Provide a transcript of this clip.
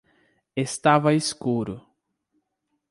Estava escuro